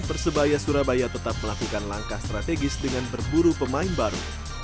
persebaya surabaya tetap melakukan langkah strategis dengan berburu pemain baru